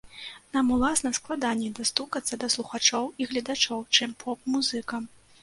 Нам, уласна, складаней дастукацца да слухачоў і гледачоў, чым поп-музыкам.